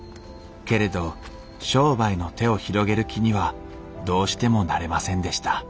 けれど商売の手を広げる気にはどうしてもなれませんでした